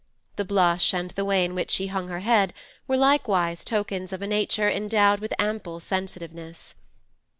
The blush and the way in which she hung her head were likewise tokens of a nature endowed with ample sensitiveness.